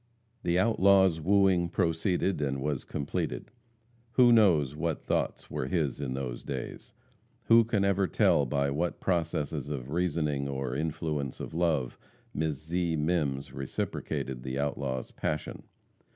The outlaw's wooing proceeded, and was completed. Who knows what thoughts were his in those days? Who can ever tell by what processes of reasoning, or influence of love, Miss Zee Mimms reciprocated the outlaw's passion?